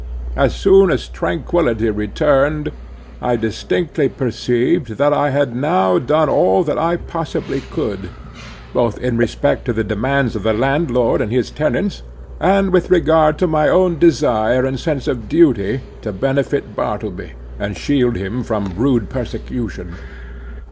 As soon as tranquility returned I distinctly perceived that I had now done all that I possibly could, both in respect to the demands of the landlord and his tenants, and with regard to my own desire and sense of duty, to benefit Bartleby, and shield him from rude persecution.